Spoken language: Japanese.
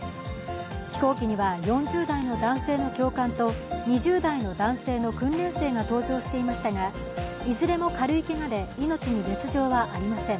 飛行機には４０代の男性の教官と２０代の訓練生が登場していましたがいずれも軽いけがで命に別状はありません。